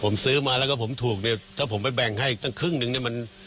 ผมซื้อมาแล้วก็ผมถูกเนี่ยถ้าผมไปแบ่งให้ตั้งครึ่งนึงเนี่ยมัน